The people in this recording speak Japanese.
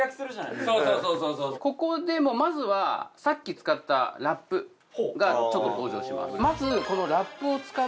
ここでもまずはさっき使ったラップがちょっと登場します